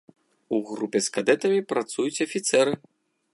У групе з кадэтамі працуюць афіцэры.